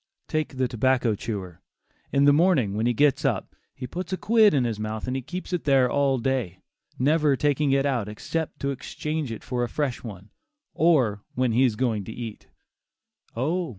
Take the tobacco chewer. In the morning when he gets up, he puts a quid in his mouth and keeps it there all day, never taking it out except to exchange it for a fresh one, or when he is going to eat; oh!